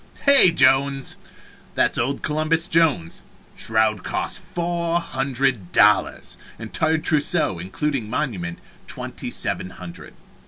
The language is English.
Hey, Jones! That is old Columbus Jones shroud cost four hundred dollars entire trousseau, including monument, twenty seven hundred.